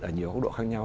ở nhiều hốc độ khác nhau